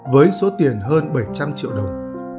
với số tiền hơn bảy trăm linh triệu đồng